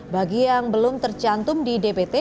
bagi yang belum tercantum di dpt